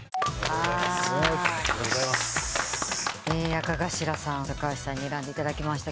赤頭さん高橋さんに選んでいただきました。